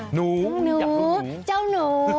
หนูอยากคุ้มหนู